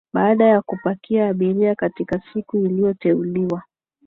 baada ya kupakia abiria katika siku iliyoteuliwa